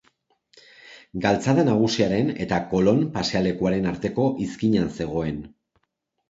Galtzada Nagusiaren eta Kolon pasealekuaren arteko izkinan zegoen.